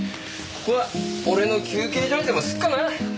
ここは俺の休憩所にでもするかな。